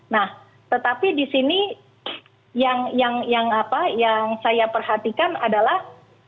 nah tetapi di sini yang saya perhatikan adalah